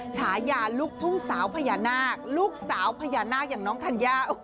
ฉายาลูกทุ่งสาวพญานาคลูกสาวพญานาคอย่างน้องธัญญา